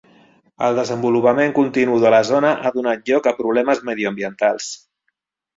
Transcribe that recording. El desenvolupament continu de la zona ha donat lloc a problemes mediambientals.